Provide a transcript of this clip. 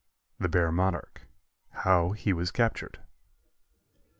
THE BEAR "MONARCH." HOW HE WAS CAPTURED.